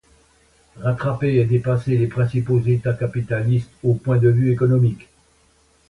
Rattraper et dépasser les principaux États capitalistes au point de vue économique.